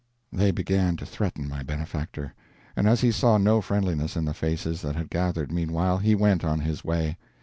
They began to threaten my benefactor, and as he saw no friendliness in the faces that had gathered meanwhile, he went on his way.